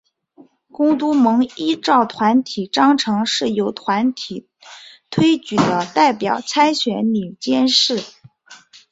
公督盟依照团体章程是由团体推举的代表参选理监事。